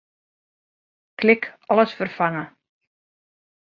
Klik Alles ferfange.